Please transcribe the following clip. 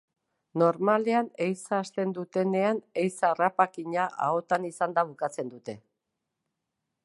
Normalean, ehiza hasten dutenean ehiza harrapakina ahotan izanda bukatzen dute.